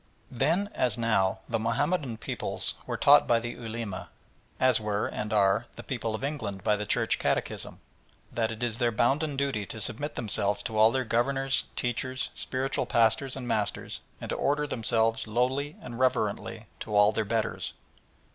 Then, as now, the Mahomedan peoples were taught by the Ulema, as were, and are, the people of England by the Church Catechism, that it is their bounden duty to submit themselves to all their governors, teachers, spiritual pastors and masters, and to order themselves lowly and reverently to all their betters.